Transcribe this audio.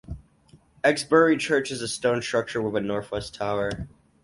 Exbury church is a stone structure with a northwest tower.